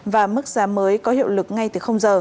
và mức giá mới có hiệu lực ngay từ giờ